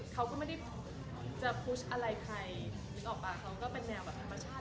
เขาก็ไม่ได้จะโพสต์อะไรใครนึกออกป่ะเขาก็เป็นแนวแบบธรรมชาติ